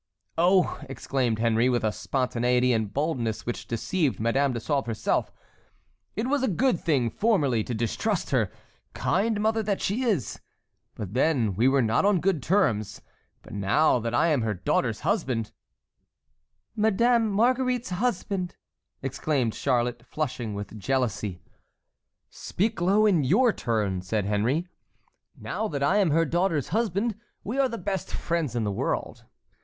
"Oh!" exclaimed Henry, with a spontaneity and boldness which deceived Madame de Sauve herself, "it was a good thing formerly to distrust her, kind mother that she is, but then we were not on good terms; but now that I am her daughter's husband"— "Madame Marguerite's husband!" exclaimed Charlotte, flushing with jealousy. "Speak low in your turn," said Henry; "now that I am her daughter's husband we are the best friends in the world.